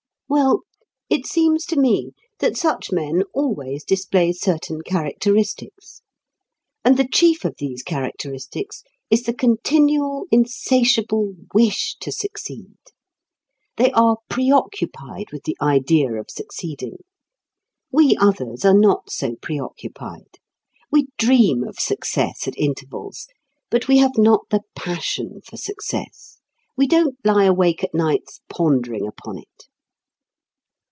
Well, it seems to me that such men always display certain characteristics. And the chief of these characteristics is the continual, insatiable wish to succeed. They are preoccupied with the idea of succeeding. We others are not so preoccupied. We dream of success at intervals, but we have not the passion for success. We don't lie awake at nights pondering upon it.